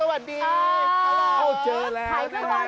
สวัสดีค่ะพี่เบกกี้